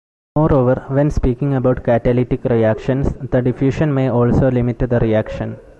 Moreover, when speaking about catalytic reactions, the diffusion may also limit the reaction.